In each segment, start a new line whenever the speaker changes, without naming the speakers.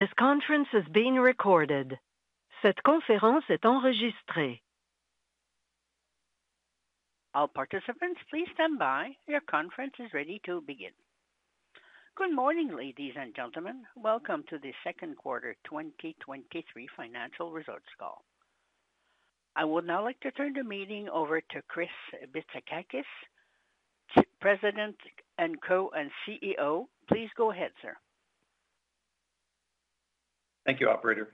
This conference is being recorded. Cette conférence est enregistrée. All participants, please stand by. Your conference is ready to begin. Good morning, ladies and gentlemen. Welcome to the second quarter 2023 financial results call. I would now like to turn the meeting over to Chris Bitsakakis, President and Co-CEO. Please go ahead, sir.
Thank you, Operator.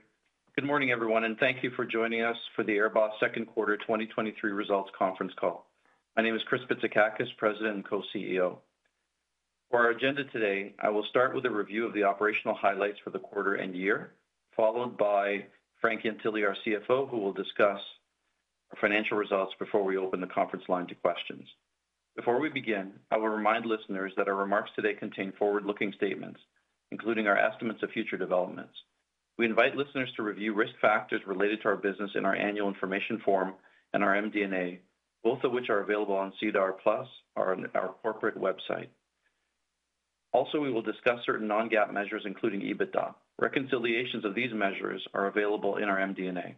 Good morning, everyone, and thank you for joining us for the AirBoss 2nd quarter 2023 results conference call. My name is Chris Bitsakakis, President and Co-CEO. For our agenda today, I will start with a review of the operational highlights for the quarter and year, followed by Frank Ientile our CFO, who will discuss our financial results before we open the conference line to questions. Before we begin, I will remind listeners that our remarks today contain forward-looking statements, including our estimates of future developments. We invite listeners to review risk factors related to our business in our annual information form and our MD&A, both of which are available on SEDAR+ or on our corporate website. We will discuss certain non-GAAP measures, including EBITDA. Reconciliations of these measures are available in our MD&A.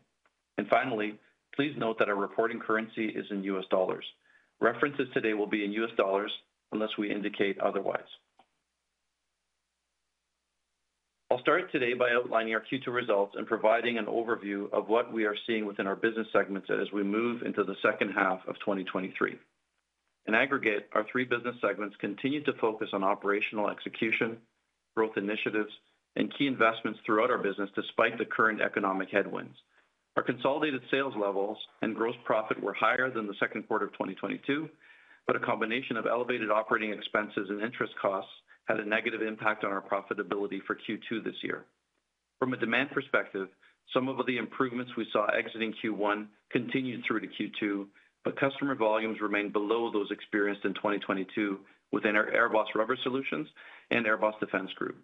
Finally, please note that our reporting currency is in U.S. dollars. References today will be in U.S. dollars, unless we indicate otherwise. I'll start today by outlining our Q2 results and providing an overview of what we are seeing within our business segments as we move into the second half of 2023. In aggregate, our three business segments continued to focus on operational execution, growth initiatives, and key investments throughout our business, despite the current economic headwinds. Our consolidated sales levels and gross profit were higher than the second quarter of 2022, but a combination of elevated operating expenses and interest costs had a negative impact on our profitability for Q2 this year. From a demand perspective, some of the improvements we saw exiting Q1 continued through to Q2, but customer volumes remained below those experienced in 2022 within our AirBoss Rubber Solutions and AirBoss Defense Group.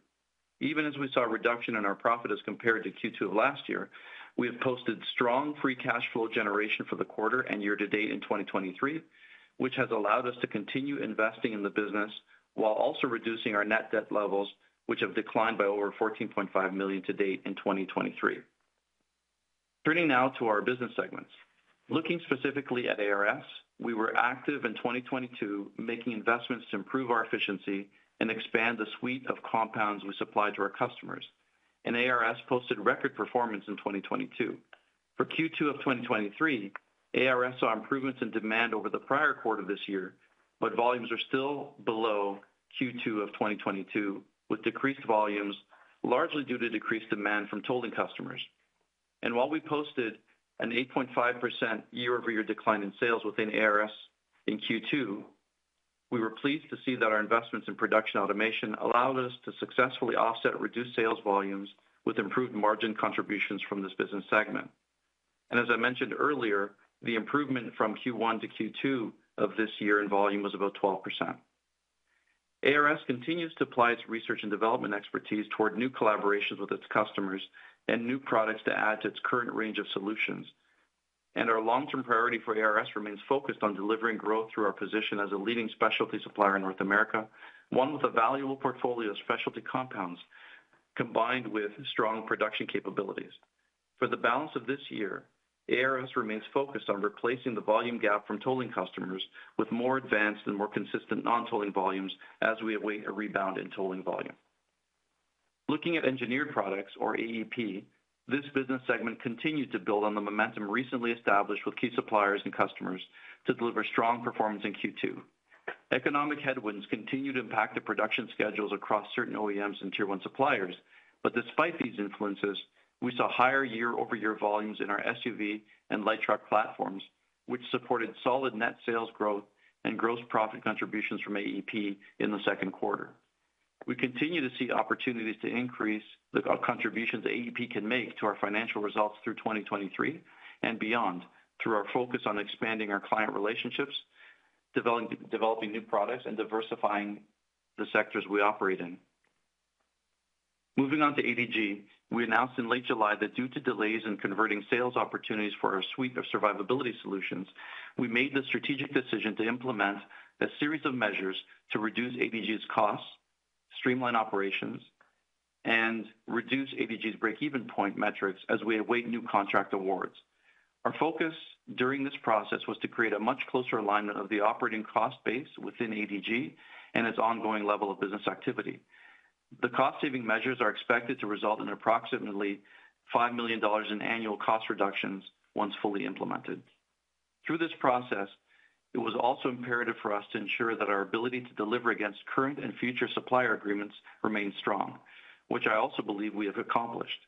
Even as we saw a reduction in our profit as compared to Q2 of last year, we have posted strong free cash flow generation for the quarter and year to date in 2023, which has allowed us to continue investing in the business while also reducing our net debt levels, which have declined by over $14.5 million to date in 2023. Turning now to our business segments. Looking specifically at ARS, we were active in 2022, making investments to improve our efficiency and expand the suite of compounds we supply to our customers, and ARS posted record performance in 2022. For Q2 of 2023, ARS saw improvements in demand over the prior quarter this year, but volumes are still below Q2 of 2022, with decreased volumes largely due to decreased demand from tolling customers. While we posted an 8.5% year-over-year decline in sales within ARS in Q2, we were pleased to see that our investments in production automation allowed us to successfully offset reduced sales volumes with improved margin contributions from this business segment. As I mentioned earlier, the improvement from Q1 to Q2 of this year in volume was about 12%. ARS continues to apply its research and development expertise toward new collaborations with its customers and new products to add to its current range of solutions. Our long-term priority for ARS remains focused on delivering growth through our position as a leading specialty supplier in North America, one with a valuable portfolio of specialty compounds, combined with strong production capabilities. For the balance of this year, ARS remains focused on replacing the volume gap from tolling customers with more advanced and more consistent non-tolling volumes as we await a rebound in tolling volume. Looking at Engineered Products, or AEP, this business segment continued to build on the momentum recently established with key suppliers and customers to deliver strong performance in Q2. Economic headwinds continue to impact the production schedules across certain OEMs and Tier One suppliers. Despite these influences, we saw higher year-over-year volumes in our SUV and light truck platforms, which supported solid net sales growth and gross profit contributions from AEP in the second quarter. We continue to see opportunities to increase the contributions AEP can make to our financial results through 2023 and beyond, through our focus on expanding our client relationships, developing new products, and diversifying the sectors we operate in. Moving on to ADG, we announced in late July that due to delays in converting sales opportunities for our suite of survivability solutions, we made the strategic decision to implement a series of measures to reduce ADG's costs, streamline operations, and reduce ADG's breakeven point metrics as we await new contract awards. Our focus during this process was to create a much closer alignment of the operating cost base within ADG and its ongoing level of business activity. The cost-saving measures are expected to result in approximately $5 million in annual cost reductions once fully implemented. Through this process, it was also imperative for us to ensure that our ability to deliver against current and future supplier agreements remained strong, which I also believe we have accomplished.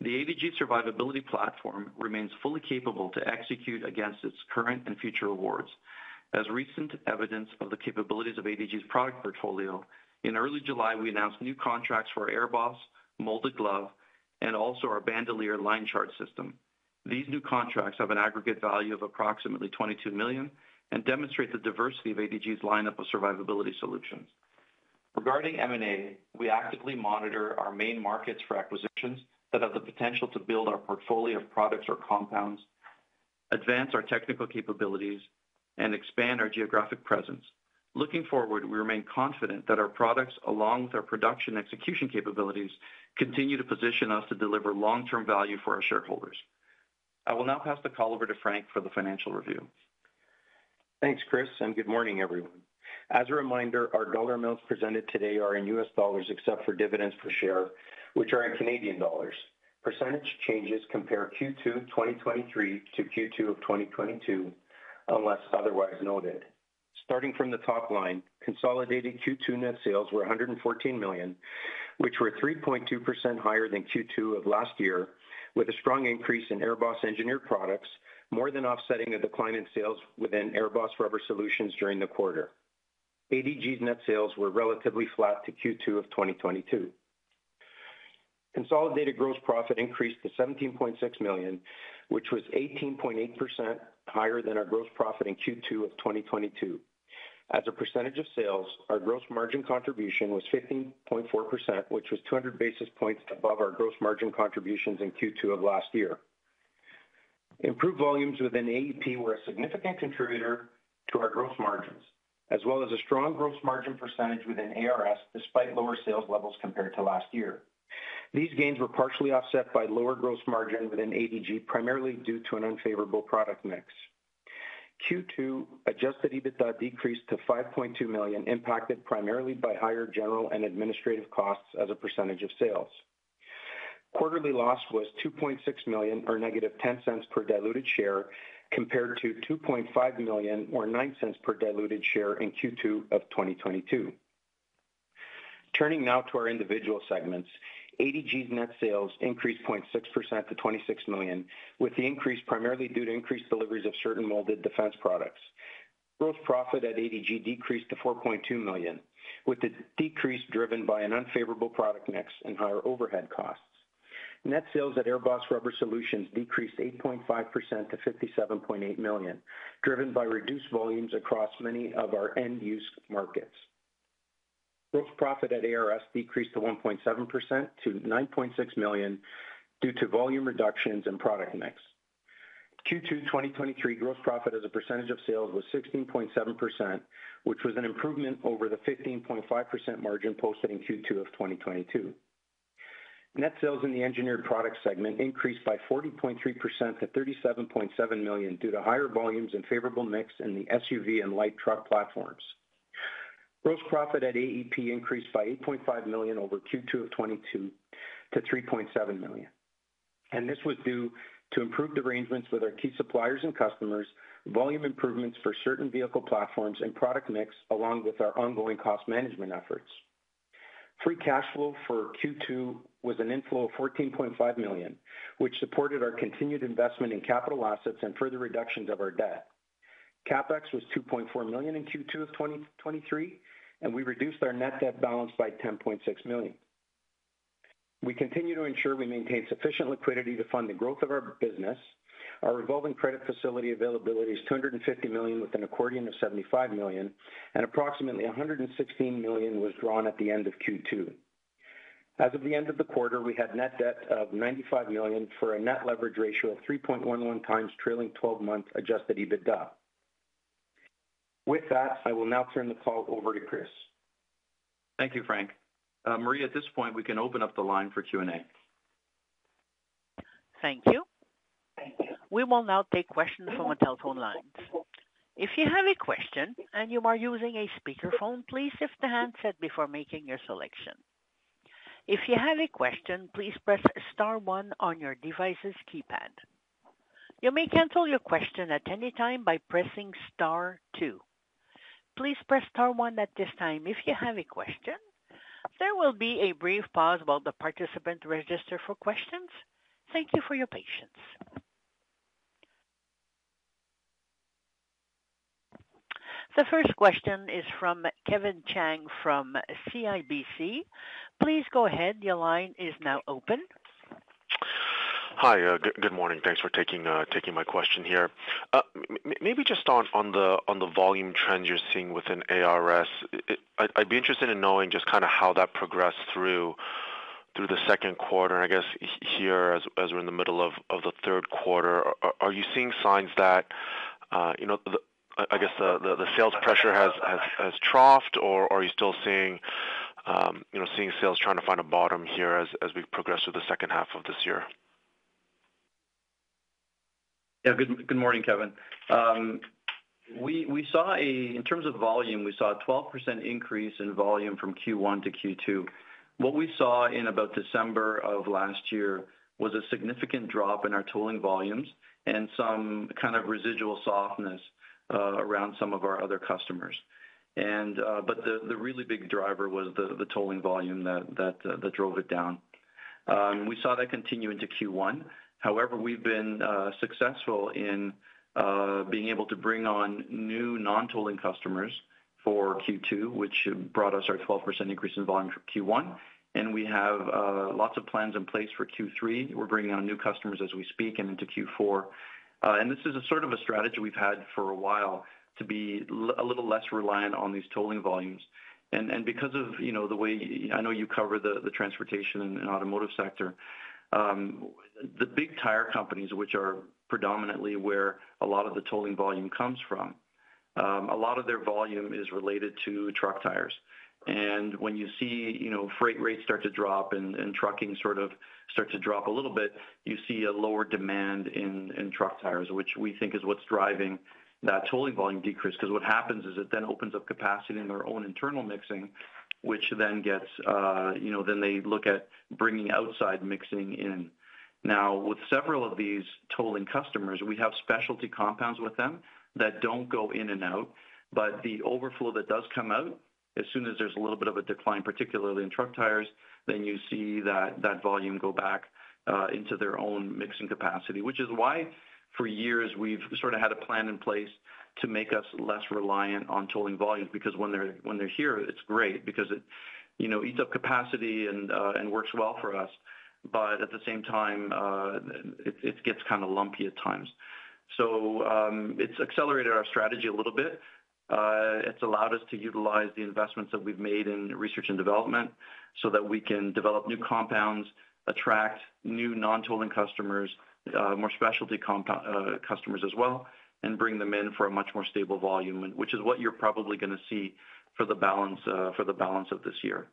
The ADG survivability platform remains fully capable to execute against its current and future awards. As recent evidence of the capabilities of ADG's product portfolio, in early July, we announced new contracts for AirBoss Molded Glove and also our Bandolier Line Charge System. These new contracts have an aggregate value of approximately $22 million and demonstrate the diversity of ADG's lineup of survivability solutions. Regarding M&A, we actively monitor our main markets for acquisitions that have the potential to build our portfolio of products or advance our technical capabilities, and expand our geographic presence. Looking forward, we remain confident that our products, along with our production execution capabilities, continue to position us to deliver long-term value for our shareholders. I will now pass the call over to Frank for the financial review.
Thanks, Chris, good morning, everyone. As a reminder, our dollar amounts presented today are in US dollars, except for dividends per share, which are in Canadian dollars. Percentage changes compare Q2 2023 to Q2 of 2022, unless otherwise noted. Starting from the top line, consolidated Q2 net sales were $114 million, which were 3.2% higher than Q2 of last year, with a strong increase in AirBoss Engineered Products, more than offsetting a decline in sales within AirBoss Rubber Solutions during the quarter. ADG's net sales were relatively flat to Q2 of 2022. Consolidated gross profit increased to $17.6 million, which was 18.8% higher than our gross profit in Q2 of 2022. As a percentage of sales, our gross margin contribution was 15.4%, which was 200 basis points above our gross margin contributions in Q2 of last year. Improved volumes within AEP were a significant contributor to our growth margins, as well as a strong gross margin percentage within ARS, despite lower sales levels compared to last year. These gains were partially offset by lower gross margin within ADG, primarily due to an unfavorable product mix. Q2 Adjusted EBITDA decreased to 5.2 million, impacted primarily by higher general and administrative costs as a percentage of sales. Quarterly loss was 2.6 million, or -0.10 per diluted share, compared to 2.5 million, or 0.09 per diluted share in Q2 of 2022. Turning now to our individual segments. ADG's net sales increased 0.6% to $26 million, with the increase primarily due to increased deliveries of certain molded defense products. Gross profit at ADG decreased to $4.2 million, with the decrease driven by an unfavorable product mix and higher overhead costs. Net sales at AirBoss Rubber Solutions decreased 8.5% to $57.8 million, driven by reduced volumes across many of our end-use markets. Gross profit at ARS decreased to 1.7% to $9.6 million due to volume reductions and product mix. Q2 2023 gross profit as a percentage of sales was 16.7%, which was an improvement over the 15.5% margin posted in Q2 of 2022. Net sales in the AirBoss Engineered Products segment increased by 40.3% to 37.7 million, due to higher volumes and favorable mix in the SUV and light truck platforms. Gross profit at AEP increased by 8.5 million over Q2 of 2022 to 3.7 million. This was due to improved arrangements with our key suppliers and customers, volume improvements for certain vehicle platforms and product mix, along with our ongoing cost management efforts. Free cash flow for Q2 was an inflow of 14.5 million, which supported our continued investment in capital assets and further reductions of our debt. CapEx was 2.4 million in Q2 of 2023. We reduced our net debt balance by 10.6 million. We continue to ensure we maintain sufficient liquidity to fund the growth of our business. Our revolving credit facility availability is 250 million, with an accordion of 75 million. Approximately 116 million was drawn at the end of Q2. As of the end of the quarter, we had net debt of 95 million, for a net leverage ratio of 3.11 times trailing 12-month adjusted EBITDA. With that, I will now turn the call over to Chris.
Thank you, Frank. Marie, at this point, we can open up the line for Q&A.
Thank you. We will now take questions from the telephone lines. If you have a question and you are using a speakerphone, please lift the handset before making your selection. If you have a question, please press star one on your device's keypad. You may cancel your question at any time by pressing star two. Please press star one at this time if you have a question. There will be a brief pause while the participant register for questions. Thank you for your patience. The first question is from Kevin Chiang, from CIBC. Please go ahead. Your line is now open.
Hi, good, good morning. Thanks for taking my question here. Maybe just on the volume trends you're seeing within ARS. I'd be interested in knowing just kind of how that progressed through the second quarter. I guess here, as we're in the middle of the third quarter, are you seeing signs that, you know, the... I guess the sales pressure has troughed, or are you still seeing, you know, seeing sales trying to find a bottom here as we progress through the second half of this year?
Yeah. Good, good morning, Kevin. We, we saw in terms of volume, we saw a 12% increase in volume from Q1 to Q2. What we saw in about December of last year was a significant drop in our tolling volumes and some kind of residual softness around some of our other customers. But the, the really big driver was the, the tolling volume that, that drove it down. We saw that continue into Q1. However, we've been successful in being able to bring on new non-tolling customers for Q2, which brought us our 12% increase in volume from Q1. We have lots of plans in place for Q3. We're bringing on new customers as we speak and into Q4. This is a sort of a strategy we've had for a while, to be a little less reliant on these tolling volumes. And because of, you know, the way... I know you cover the, the transportation and automotive sector. The big tire companies, which are predominantly where a lot of the tolling volume comes from a lot of their volume is related to truck tires. And when you see, you know, freight rates start to drop and, and trucking sort of start to drop a little bit, you see a lower demand in, in truck tires, which we think is what's driving that tolling volume decrease. Because what happens is it then opens up capacity in their own internal mixing, which then gets, you know, then they look at bringing outside mixing in. Now, with several of these tolling customers, we have specialty compounds with them that don't go in and out, but the overflow that does come out, as soon as there's a little bit of a decline, particularly in truck tires, then you see that, that volume go back into their own mixing capacity. Which is why, for years, we've sort of had a plan in place to make us less reliant on tolling volumes. When they're, when they're here, it's great because it, you know, eats up capacity and, and works well for us. At the same time, it, it gets kind of lumpy at times. It's accelerated our strategy a little bit. It's allowed us to utilize the investments that we've made in research and development so that we can develop new compounds, attract new non-tolling customers, more specialty compound customers as well, and bring them in for a much more stable volume, which is what you're probably gonna see for the balance, for the balance of this year.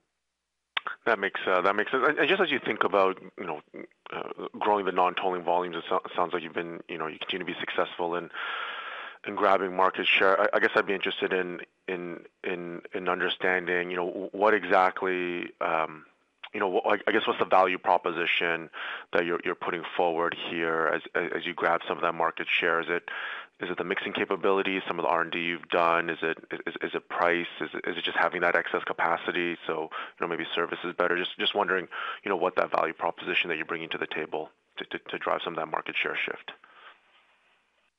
That makes, that makes sense. Just as you think about, you know, growing the non-tolling volumes, it sounds like you've been, you know, you continue to be successful in, in grabbing market share. I, I guess I'd be interested in, in, in, in understanding, you know, what exactly, you know, like, I guess, what's the value proposition that you're, you're putting forward here as, as you grab some of that market share? Is it, is it the mixing capabilities, some of the R&D you've done? Is it, is, is it price? Is it, is it just having that excess capacity, so, you know, maybe service is better? Just, just wondering, you know, what that value proposition that you're bringing to the table to, to, to drive some of that market share shift.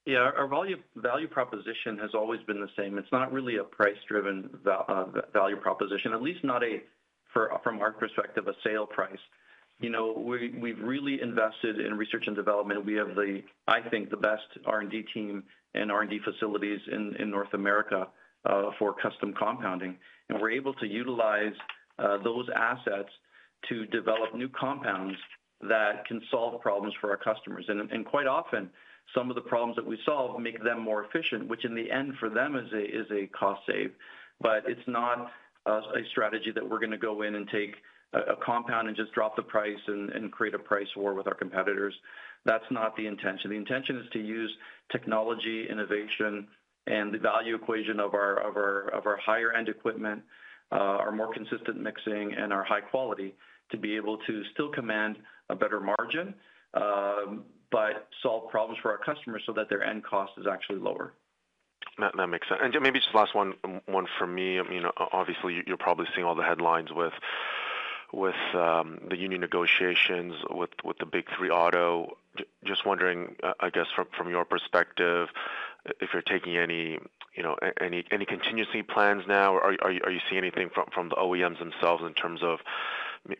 Yeah. Our value proposition has always been the same. It's not really a price-driven value proposition, at least not from our perspective, a sale price. You know, we've really invested in research and development. We have, I think, the best R&D team and R&D facilities in North America for custom compounding. We're able to utilize those assets to develop new compounds that can solve problems for our customers. Quite often, some of the problems that we solve make them more efficient, which in the end for them is a cost save. It's not a strategy that we're gonna go in and take a compound and just drop the price and create a price war with our competitors. That's not the intention. The intention is to use technology, innovation, and the value equation of our, of our, of our higher-end equipment, our more consistent mixing, and our high quality, to be able to still command a better margin, but solve problems for our customers so that their end cost is actually lower.
That, that makes sense. Maybe just last one, one for me. I mean, obviously, you're probably seeing all the headlines with, with, the union negotiations with, with the Big Three auto. Just wondering, I guess, from, from your perspective, if you're taking any, you know, any, any contingency plans now, or are you, are you seeing anything from, from the OEMs themselves in terms of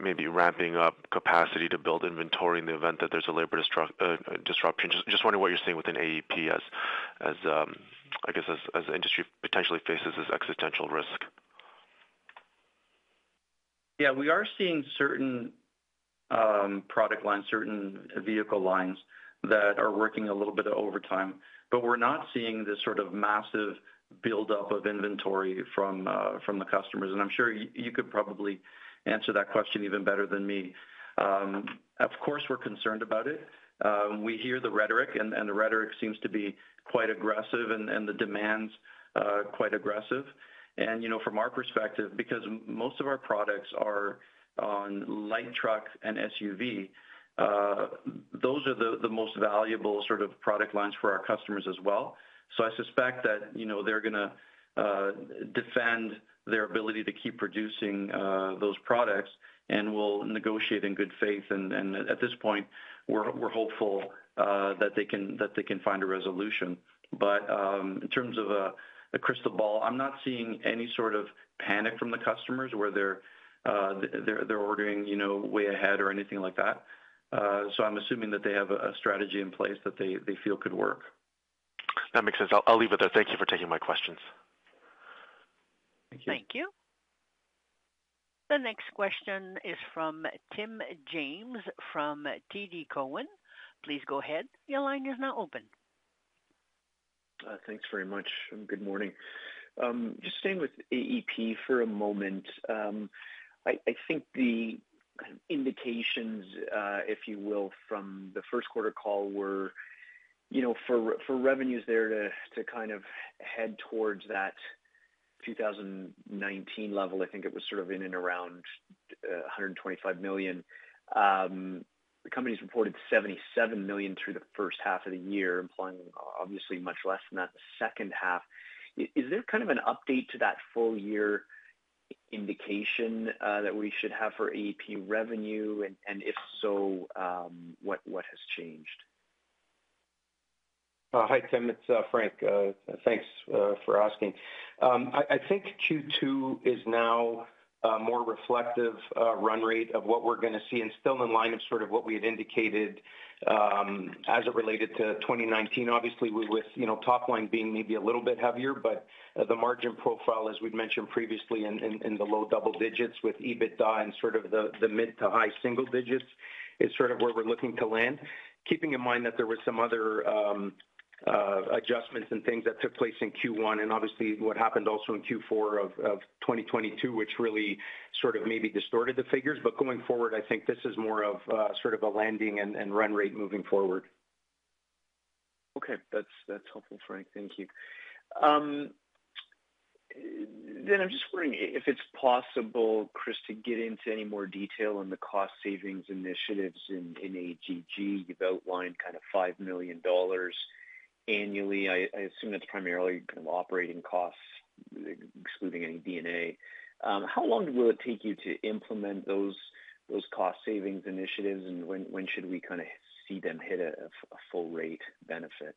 maybe ramping up capacity to build inventory in the event that there's a labor disruption? Just wondering what you're seeing within AEP as, as, I guess, as, as the industry potentially faces this existential risk?
Yeah, we are seeing certain product lines, certain vehicle lines that are working a little bit of overtime, but we're not seeing this sort of massive buildup of inventory from the customers. I'm sure you, you could probably answer that question even better than me. Of course, we're concerned about it. We hear the rhetoric, and the rhetoric seems to be quite aggressive and the demands quite aggressive. You know, from our perspective, because most of our products are on light trucks and SUV, those are the most valuable sort of product lines for our customers as well. I suspect that, you know, they're gonna defend their ability to keep producing those products and will negotiate in good faith. At this point, we're, we're hopeful that they can, that they can find a resolution. In terms of a, a crystal ball, I'm not seeing any sort of panic from the customers where they're, they're, they're ordering, you know, way ahead or anything like that. I'm assuming that they have a, a strategy in place that they, they feel could work.
That makes sense. I'll, I'll leave it there. Thank you for taking my questions.
Thank you.
Thank you. The next question is from Tim James, from TD Cowen. Please go ahead. Your line is now open.
Thanks very much, and good morning. Just staying with AEP for a moment. I, I think the indications, if you will, from the first quarter call were, you know, for, for revenues there to, to kind of head towards that 2019 level. I think it was sort of in and around, $125 million. The company's reported $77 million through the first half of the year, implying obviously much less than that in the second half. Is, is there kind of an update to that full year indication, that we should have for AEP revenue? If so, what, what has changed?
Hi, Tim. It's Frank. Thanks for asking. I, I think Q2 is now a more reflective run rate of what we're gonna see and still in line with sort of what we had indicated as it related to 2019. Obviously, with, with, you know, top line being maybe a little bit heavier, but the margin profile, as we've mentioned previously, in the low double digits with EBITDA and sort of the mid to high single digits is sort of where we're looking to land, keeping in mind that there were some other, adjustments and things that took place in Q1, and obviously, what happened also in Q4 of, of 2022, which really sort of maybe distorted the figures. Going forward, I think this is more of, sort of a landing and, and run rate moving forward.
Okay. That's, that's helpful, Frank. Thank you. I'm just wondering if it's possible, Chris, to get into any more detail on the cost savings initiatives in, in ADG. You've outlined kind of $5 million annually. I, I assume that's primarily kind of operating costs, excluding any D&A. How long will it take you to implement those, those cost savings initiatives, and when, when should we kind of see them hit a, a full rate benefit?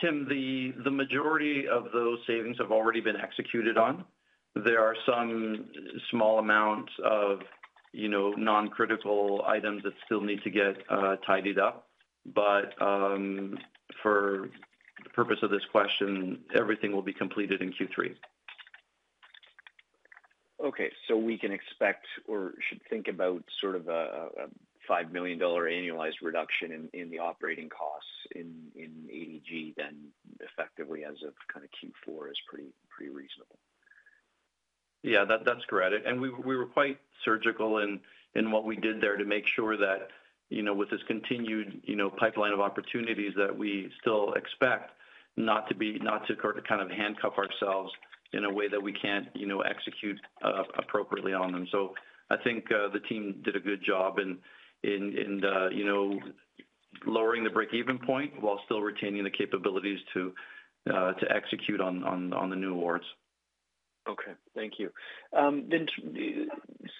Tim, the, the majority of those savings have already been executed on. There are some small amounts of, you know, non-critical items that still need to get tidied up. For the purpose of this question, everything will be completed in Q3.
Okay, we can expect or should think about sort of a, a $5 million annualized reduction in, in the operating costs in, in AEG then effectively as of kind of Q4 is pretty, pretty reasonable.
Yeah, that, that's correct. We, we were quite surgical in, in what we did there to make sure that, you know, with this continued, you know, pipeline of opportunities, that we still expect not to kind of handcuff ourselves in a way that we can't, you know, execute appropriately on them. I think, the team did a good job in, in, in the, you know, lowering the break-even point while still retaining the capabilities to execute on, on, on the new awards.
Okay. Thank you.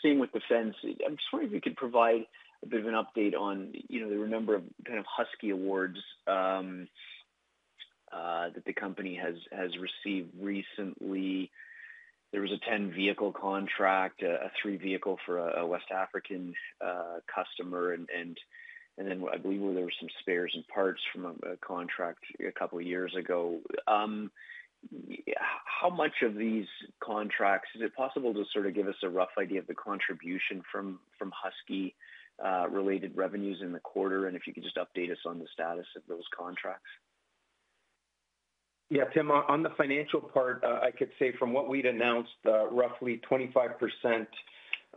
Same with defense. I'm just wondering if you could provide a bit of an update on, you know, there were a number of kind of Husky awards that the company has, has received recently. There was a 10-vehicle contract, a 3-vehicle for a, a West African customer, and, and, and then I believe there were some spares and parts from a, a contract a couple of years ago. How much of these contracts-- is it possible to sort of give us a rough idea of the contribution from, from Husky related revenues in the quarter? And if you could just update us on the status of those contracts.
Yeah, Tim, on, on the financial part, I could say from what we'd announced, roughly 25%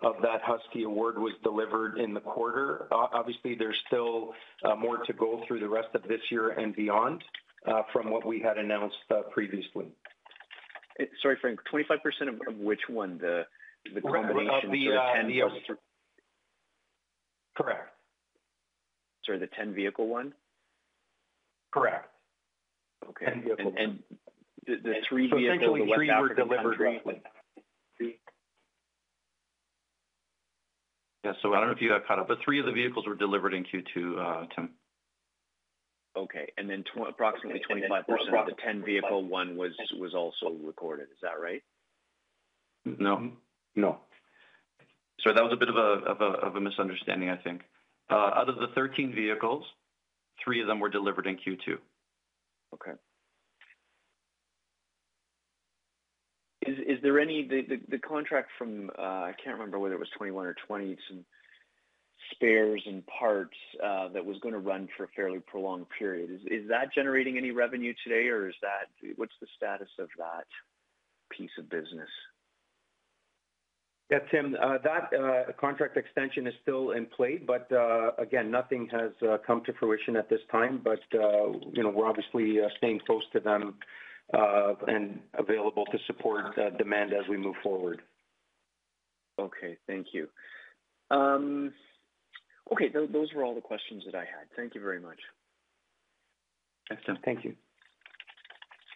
of that Husky award was delivered in the quarter. Obviously, there's still more to go through the rest of this year and beyond from what we had announced previously. Sorry, Frank, 25% of, of which one? The combination of the 10- Correct. Sorry, the 10-vehicle one? Correct. Okay. 10-vehicle. And the 3 vehicles- So essentially, 3 were delivered roughly. Yeah. So I don't know if you got caught up, but 3 of the vehicles were delivered in Q2, Tim.
Okay. Then approximately 25% of the 10-vehicle one was also recorded. Is that right?
No. No. Sorry, that was a bit of a misunderstanding, I think. Out of the 13 vehicles, 3 of them were delivered in Q2.
Okay. Is there any... The contract from, I can't remember whether it was 21 or 20, some spares and parts, that was gonna run for a fairly prolonged period. Is that generating any revenue today, or is that, what's the status of that piece of business?
Yeah, Tim, that contract extension is still in play, but again, nothing has come to fruition at this time. You know, we're obviously staying close to them and available to support demand as we move forward.
Okay. Thank you. Okay, those were all the questions that I had. Thank you very much.
Thanks, Tim. Thank you.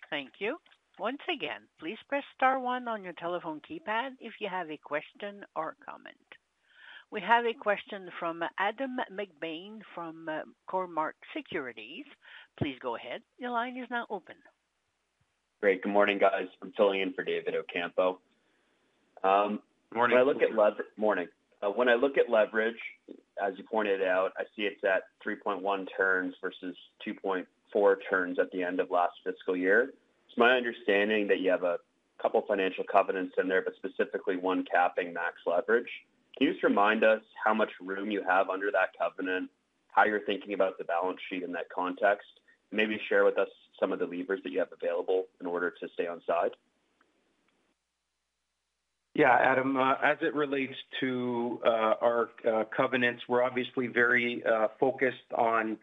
Thank you. Once again, please press star one on your telephone keypad if you have a question or comment. We have a question from Adam McBain, from Cormark Securities. Please go ahead. Your line is now open.
Great. Good morning, guys. I'm filling in for David Ocampo.
Morning.
Morning. When I look at leverage, as you pointed out, I see it's at 3.1 turns versus 2.4 turns at the end of last fiscal year. It's my understanding that you have a couple financial covenants in there. Specifically, one capping max leverage. Can you just remind us how much room you have under that covenant, how you're thinking about the balance sheet in that context? Maybe share with us some of the levers that you have available in order to stay on side.
Yeah, Adam, as it relates to our covenants, we're obviously very focused on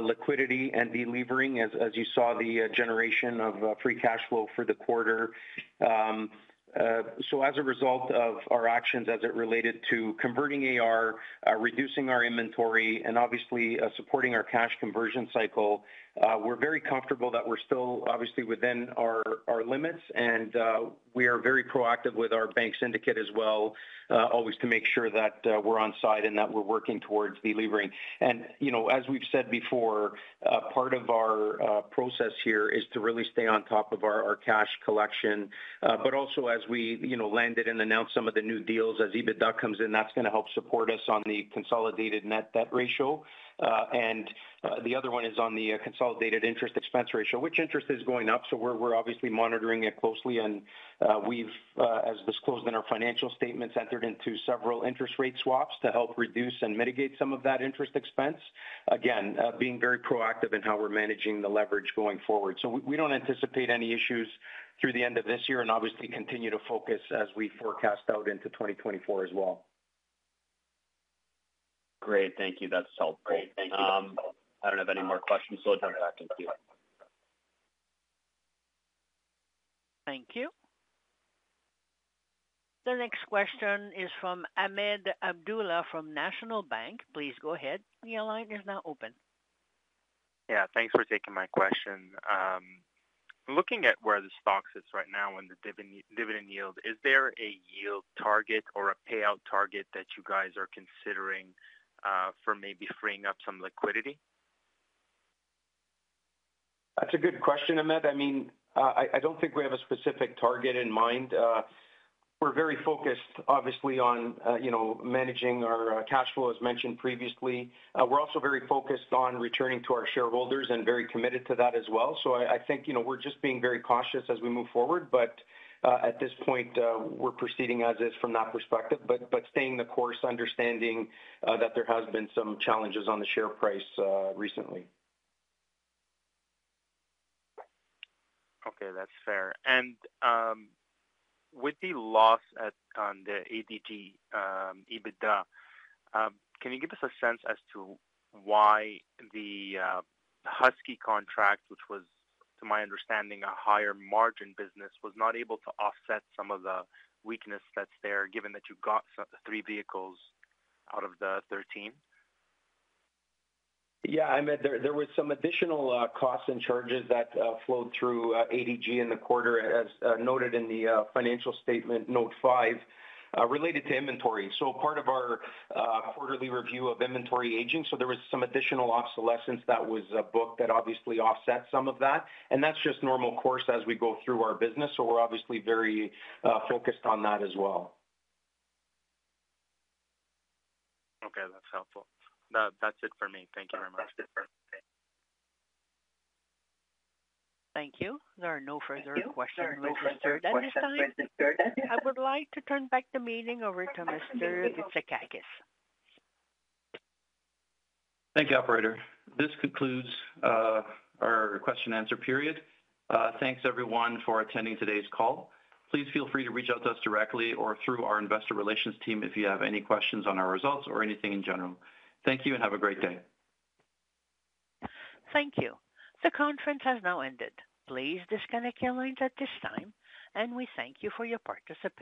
liquidity and delevering, as, as you saw the generation of free cash flow for the quarter. As a result of our actions as it related to converting AR, reducing our inventory and obviously, supporting our cash conversion cycle, we're very comfortable that we're still obviously within our, our limits, and we are very proactive with our bank syndicate as well, always to make sure that we're on side and that we're working towards delevering. You know, as we've said before, part of our process here is to really stay on top of our cash collection, but also as we, you know, landed and announced some of the new deals, as EBITDA comes in, that's gonna help support us on the consolidated net debt ratio. And the other one is on the consolidated interest expense ratio, which interest is going up, so we're, we're obviously monitoring it closely, and we've, as disclosed in our financial statements, entered into several interest rate swaps to help reduce and mitigate some of that interest expense. Again, being very proactive in how we're managing the leverage going forward. So we, we don't anticipate any issues through the end of this year and obviously continue to focus as we forecast out into 2024 as well.
Great. Thank you. That's helpful. I don't have any more questions, so I'll turn it back to you.
Thank you. The next question is from Ahmed Abdellah from National Bank. Please go ahead. The line is now open.
Yeah, thanks for taking my question. Looking at where the stock sits right now and the dividend yield, is there a yield target or a payout target that you guys are considering for maybe freeing up some liquidity?
That's a good question, Ahmed. I mean, I don't think we have a specific target in mind. We're very focused, obviously, on, you know, managing our cash flow, as mentioned previously. We're also very focused on returning to our shareholders and very committed to that as well. I think, you know, we're just being very cautious as we move forward, but at this point, we're proceeding as is from that perspective. Staying the course, understanding that there has been some challenges on the share price recently.
Okay, that's fair. With the loss at, on the ADG, EBITDA, can you give us a sense as to why the Husky contract, which was, to my understanding, a higher margin business, was not able to offset some of the weakness that's there, given that you got three vehicles out of the 13?
Yeah, Ahmed, there, there was some additional costs and charges that flowed through ADG in the quarter, as noted in the financial statement, note 5, related to inventory. Part of our quarterly review of inventory aging, so there was some additional obsolescence that was booked that obviously offset some of that, and that's just normal course as we go through our business, so we're obviously very focused on that as well.
Okay, that's helpful. That, that's it for me. Thank you very much.
Thank you. There are no further questions. I would like to turn back the meeting over to Mr. Bitsakakis.
Thank you, operator. This concludes our question and answer period. Thanks everyone for attending today's call. Please feel free to reach out to us directly or through our investor relations team if you have any questions on our results or anything in general. Thank you, and have a great day.
Thank you. The conference has now ended. Please disconnect your lines at this time. We thank you for your participation.